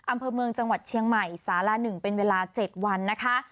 อำเภอเมืองจังหวัดเชียงใหม่สาร๑เป็นเวลา๗วันนะคะ